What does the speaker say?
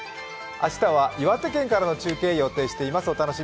明日は岩手県からの中継を予定しています。